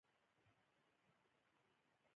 آیا ایران نه غواړي چې یو مرکز شي؟